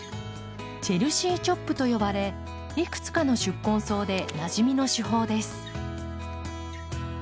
「チェルシー・チョップ」と呼ばれいくつかの宿根草でなじみの手法です。